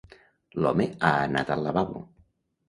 L'home ha anat al lavabo.